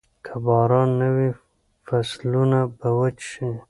که باران نه وي، فصلونه به وچ شي.